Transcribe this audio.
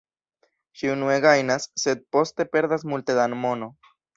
Ŝi unue gajnas, sed poste perdas multe da mono.